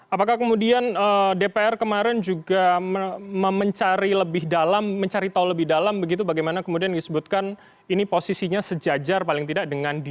apakah kemudian dpr kemarin juga mencari lebih dalam mencari tahu lebih dalam begitu bagaimana kemudian disebutkan ini posisinya sejajar paling tidak dengan di